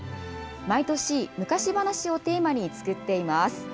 毎年、昔話をテーマに作っています。